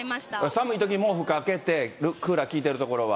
寒いとき毛布かけて、クーラー効いてる所は。